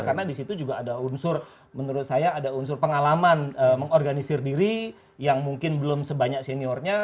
karena di situ juga ada unsur menurut saya ada unsur pengalaman mengorganisir diri yang mungkin belum sebanyak seniornya